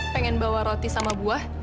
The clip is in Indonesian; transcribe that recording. pengen bawa roti sama buah